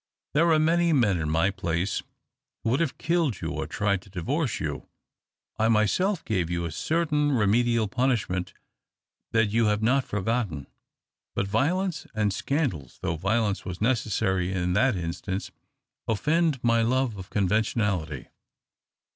There are many men in my place who would have killed you, or tried to divorce you. I myself gave you a certain remedial punish ment that you have not forgotten. But violence and scandals, though the violence was necessary in that instance, off"end my love of conventionality.